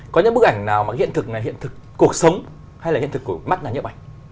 có những bức ảnh nào mà hiện thực này hiện thực cuộc sống hay là hiện thực của mắt là những bức ảnh